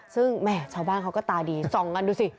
ซึ่งแม่ชาวบ้านเขาก็ตาดีส่องกันดูสิ